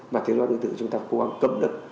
mà thuốc lá điện tử chúng ta cố gắng cấm được